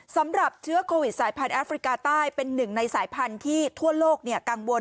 สำหรับเชื้อโควิดสายพันธุแอฟริกาใต้เป็นหนึ่งในสายพันธุ์ที่ทั่วโลกกังวล